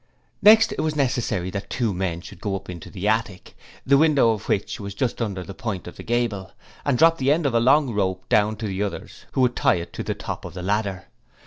Next, it was necessary that two men should go up into the attic the window of which was just under the point of the gable and drop the end of a long rope down to the others who would tie it to the top of the ladder.